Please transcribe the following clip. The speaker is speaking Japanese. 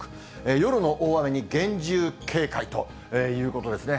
夜の大雨に厳重警戒ということですね。